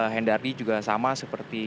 hen dardi juga sama seperti